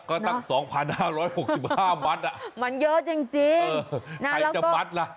ก็ตั้ง๒๕๖๕มัตต์มันเยอะจริงใครจะมัดล่ะ